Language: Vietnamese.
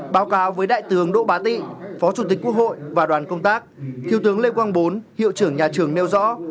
báo cáo với đại tướng đỗ bá tị phó chủ tịch quốc hội và đoàn công tác thiếu tướng lê quang bốn hiệu trưởng nhà trường nêu rõ